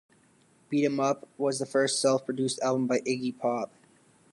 "Beat 'Em Up" was the first self-produced album by Iggy Pop.